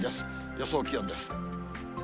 予想気温です。